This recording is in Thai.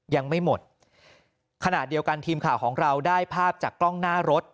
ยังไม่หมดขณะเดียวกันทีมข่าวของเราได้ภาพจากกล้องหน้ารถ